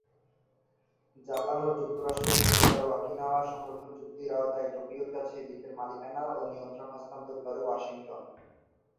Japan ও যুক্তরাষ্ট্রের মধ্যকার ওকিনাওয়া সংরক্ষণ চুক্তির আওতায় টোকিওর কাছে দ্বীপের মালিকানা ও নিয়ন্ত্রণ হস্তান্তর করে ওয়াশিংটন।